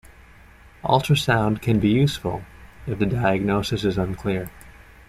Ultrasound can be useful if the diagnosis is unclear.